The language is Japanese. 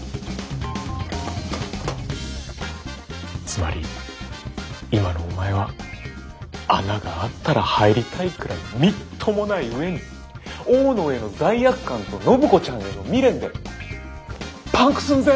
つまり今のお前は穴があったら入りたいくらいみっともない上に大野への罪悪感と暢子ちゃんへの未練でパンク寸前！